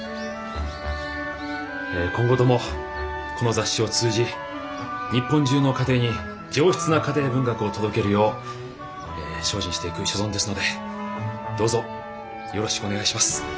今後ともこの雑誌を通じ日本中の家庭に上質な家庭文学を届けるよう精進していく所存ですのでどうぞよろしくお願いします。